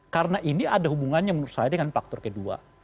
karena ini ada hubungannya menurut saya dengan faktor kedua